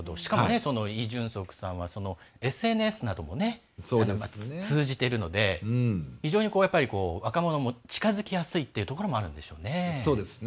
イ・ジュンソクさんはＳＮＳなどを通じているので非常に若者も近づきやすいというところもあるんでしょうね。